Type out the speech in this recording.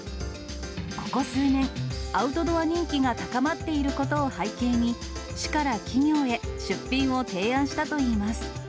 ここ数年、アウトドア人気が高まっていることを背景に、市から企業へ、出品を提案したといいます。